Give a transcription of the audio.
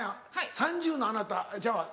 「３０のあなた」ちゃうわ。